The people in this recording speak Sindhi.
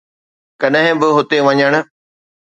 ڪڏهن به هتي وڃڻ